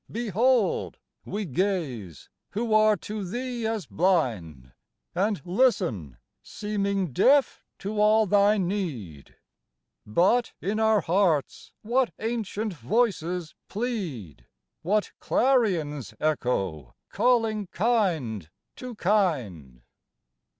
Behold! we gaze, who are to thee as blind, And listen, seeming deaf to all thy need, But in our hearts what ancient Voices plead! What clarions echo, calling kind to kind!